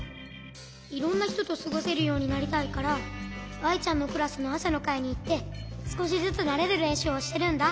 いろんなひととすごせるようになりたいからアイちゃんのクラスのあさのかいにいってすこしずつなれるれんしゅうをしてるんだ。